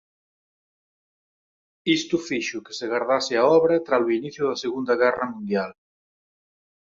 Isto fixo que se gardase a obra tralo inicio da Segunda Guerra Mundial.